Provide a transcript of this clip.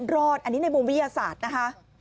รอดอันนี้ในมุมวิทยาศาสตร์นะคะ